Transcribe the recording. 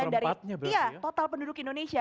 dari total penduduk indonesia